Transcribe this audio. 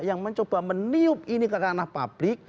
yang mencoba meniup ini ke ranah publik